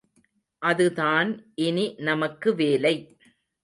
அது தான் இனி நமக்கு வேலை.